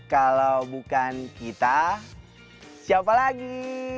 kalau bukan kita siapa lagi